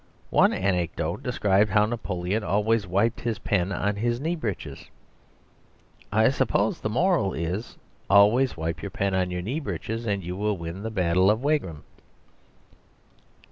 One anecdote described how Napoleon always wiped his pen on his knee breeches. I suppose the moral is: always wipe your pen on your knee breeches, and you will win the battle of Wagram.